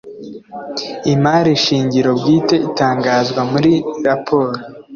Imari shingiro bwite itangazwa muri raporo